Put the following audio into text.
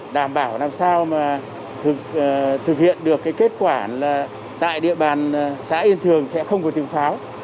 đảm bảo làm sao mà thực hiện được kết quả là tại địa bàn xã yên thường sẽ không có tiếng pháo